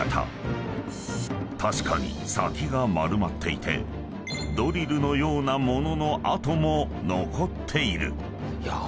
［確かに先が丸まっていてドリルのような物の跡も残っている］